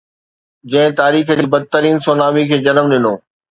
جنهن تاريخ جي بدترين سونامي کي جنم ڏنو.